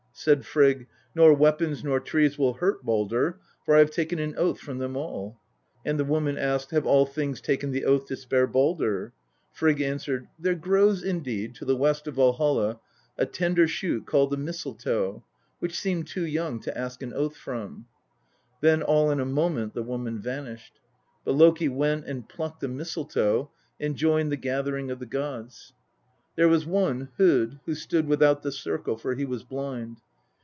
Said Frigg ' Nor weapons nor trees will hurt Baldr, for I have taken an oath from them all.' And the woman asked ' Have all things taken the oath to spare Baldr ?' Frigg answered ' There grows indeed, to the west of Valholl, a tender shoot called the Mistletoe, which seemed too young to ask an oath from.' Then all in a moment the woman vanished. But Loki went and plucked the Mistletoe, and joined the gathering of the gods. There was one, Hod, who stood without the circle, for he was blind.